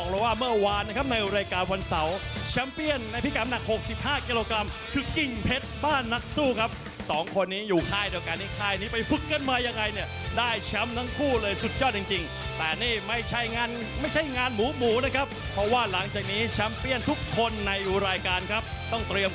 ระหว่างซ้ายหน้าโอ้โหเจอซ้ายหน้าเหมือนกัน